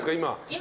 今。